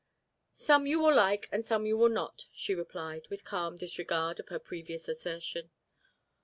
"Some you will like, and some you will not," she replied, with calm disregard of her previous assertion.